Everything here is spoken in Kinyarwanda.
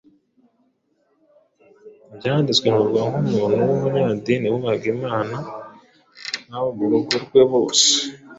Ibyanditswe bimuvuga nk’umuntu “w’umunyadini wubahaga Imana n’abo mu rugo rwe bose,